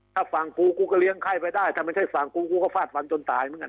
ถ้าฝั่งกูก็เลี้ยงไข้ไปได้ถ้ามันไม่ใช่ฝั่งกูก็ว่าฝาดฝวนตายกัน